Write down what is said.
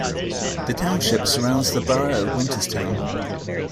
The township surrounds the borough of Winterstown.